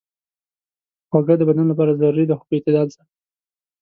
خوږه د بدن لپاره ضروري ده، خو په اعتدال سره.